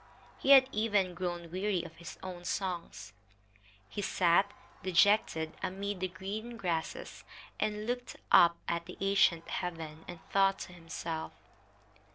He had even grown weary of his own songs. He sat, dejected, amid the green grasses, and looked up at the ancient heaven and thought to himself.